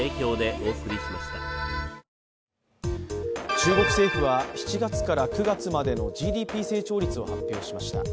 中国政府は７月から９月までのＧＤＰ成長率を発表しました。